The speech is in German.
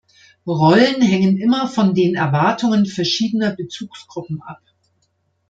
Rollen hängen immer von den Erwartungen verschiedener Bezugsgruppen ab.